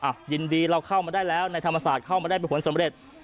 ยินดีเราเข้ามาได้แล้วในธรรมศาสตร์เข้ามาได้เป็นผลสำเร็จ